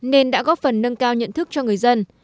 nên đã góp phần nâng cao nhận thức cho người dân